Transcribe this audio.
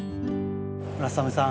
村雨さん